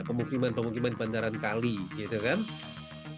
pemukiman pemukiman di bandaran kali gitu kan